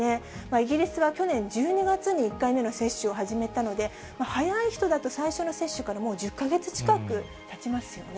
イギリスは去年１２月に１回目の接種を始めたので、早い人だと、最初の接種からもう１０か月近くたちますよね。